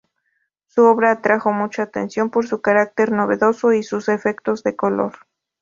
Su obra atrajo mucha atención por su carácter novedoso y sus efectos de color.